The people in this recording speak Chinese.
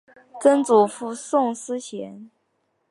曾祖父宋思贤。